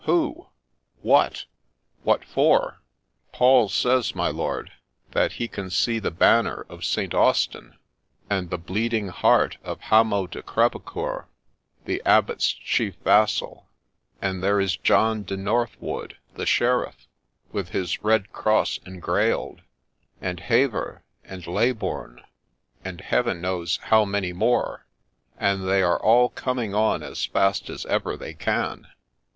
Who ? What ? What for ?' 1 Paul says, my lord, that he can see the banner of St. Austin, 48 GREY DOLPHIN and the bleeding heart of Hamo de Crevecceur, the Abbot's chief vassal ; and there is John de North wood, the sheriff, with his red cross engrailed ; and Hever, and Leybourne, and Heaven knows how many more ; and they are all coming on as fast as ever they can.'